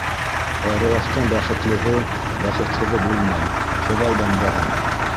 Әруахтың бәхетлеһе, бәхетһеҙе булмай, Хоҙай бәндәһе!